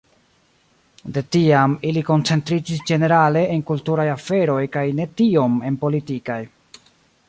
De tiam ili koncentriĝis ĝenerale en kulturaj aferoj kaj ne tiom en politikaj.